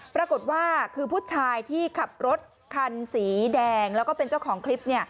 ปรากฏว่าคือผู้ชายที่ขับรถคันสีแดงแล้วก็เป็นเจ้าของคลิป